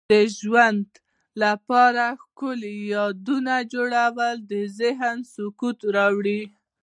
د ژوند لپاره ښکلي یادونه جوړول د ذهن سکون راوړي.